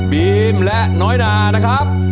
บีมและน้อยนานะครับ